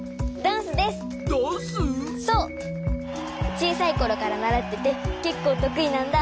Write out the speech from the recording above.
ちいさいころからならっててけっこうとくいなんだ！